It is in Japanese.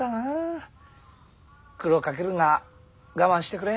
苦労かけるが我慢してくれ。